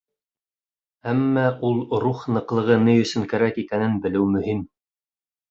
Әммә ул рух ныҡлығы ни өсөн кәрәк икәнен белеү мөһим.